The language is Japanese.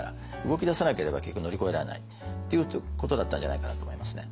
動き出さなければ結局乗り越えられない。っていうことだったんじゃないかなと思いますね。